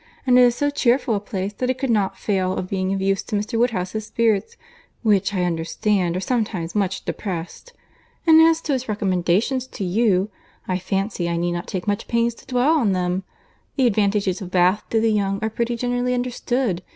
And it is so cheerful a place, that it could not fail of being of use to Mr. Woodhouse's spirits, which, I understand, are sometimes much depressed. And as to its recommendations to you, I fancy I need not take much pains to dwell on them. The advantages of Bath to the young are pretty generally understood.